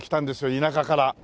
田舎から。